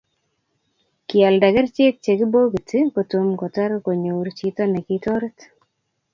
koalda kerchek che kibokiti kitomo kotar konyor chito nekitoret